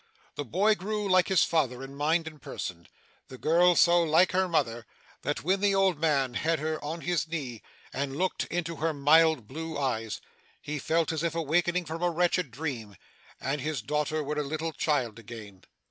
'The boy grew like his father in mind and person; the girl so like her mother, that when the old man had her on his knee, and looked into her mild blue eyes, he felt as if awakening from a wretched dream, and his daughter were a little child again.